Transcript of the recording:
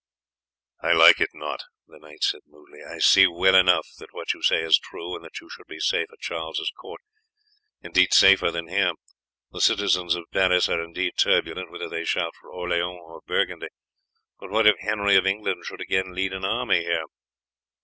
"I like it not," the knight said moodily. "I see well enough that what you say is true, and that you should be safe at Charles's court, indeed safer than here. The citizens of Paris are indeed turbulent, whether they shout for Orleans or Burgundy, but what if Henry of England should again lead an army here?"